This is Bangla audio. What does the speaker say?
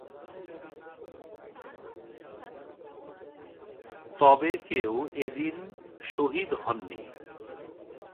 তবে কেউ এদিন শহীদ হননি।